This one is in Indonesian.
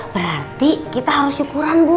berarti kita harus syukuran bu